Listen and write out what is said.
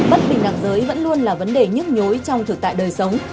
bất bình đẳng giới vẫn luôn là vấn đề nhức nhối trong thực tại đời sống